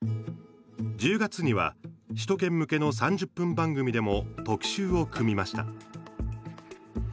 １０月には、首都圏向けの３０分番組でも特集を組みました。